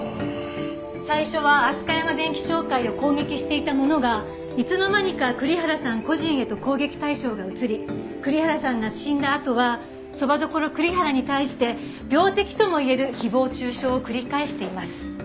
最初はアスカヤマ電器商会を攻撃していたものがいつの間にか栗原さん個人へと攻撃対象が移り栗原さんが死んだあとはそば処くりはらに対して病的とも言える誹謗中傷を繰り返しています。